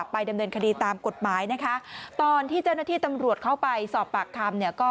ไปดำเนินคดีตามกฎหมาย